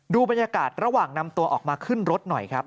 บรรยากาศระหว่างนำตัวออกมาขึ้นรถหน่อยครับ